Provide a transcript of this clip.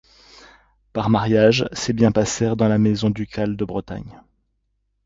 Par mariage, ses biens passèrent dans la maison ducale de Bretagne.